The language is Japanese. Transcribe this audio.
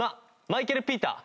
マイケル・ピーター。